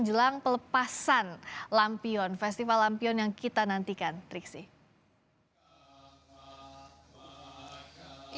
jelang pelepasan lampion festival lampion yang kita nantikan triksi